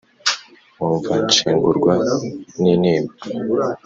Nkumva nshengurwa n'intimba